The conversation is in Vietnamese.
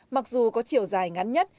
mặc dù có chiều dài ngắn nhất